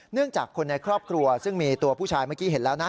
จากคนในครอบครัวซึ่งมีตัวผู้ชายเมื่อกี้เห็นแล้วนะ